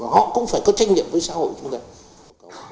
họ cũng phải có trách nhiệm với xã hội chúng ta